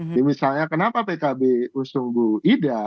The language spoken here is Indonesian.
jadi misalnya kenapa pkb usung bu ida